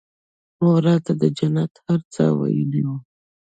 مور راته د جنت هر څه ويلي وو.